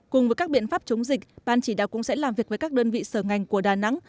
cùng với các biện pháp chống dịch ban chỉ đạo cũng sẽ làm việc với các đơn vị sở ngành của đà nẵng